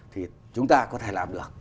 thì chúng ta có thể làm được